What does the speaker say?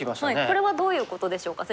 これはどういうことでしょうか